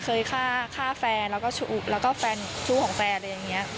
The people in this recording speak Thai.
เคยฆ่าแฟนแล้วก็ชู้แล้วก็แฟนชู้ของแฟนอะไรอย่างเงี้ย